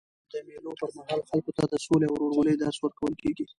د مېلو پر مهال خلکو ته د سولي او ورورولۍ درس ورکول کېږي.